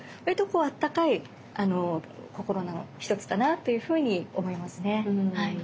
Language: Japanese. こう温かい心の一つかなというふうに思いますね。